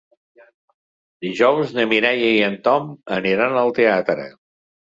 Dijous na Mireia i en Tom aniran al teatre.